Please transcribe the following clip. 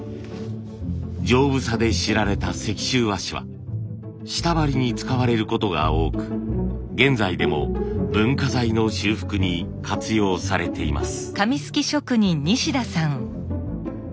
丈夫さで知られた石州和紙は下張りに使われることが多く現在でも文化財の修復に活用されています。